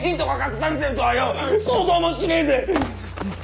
想像もしねーぜッ！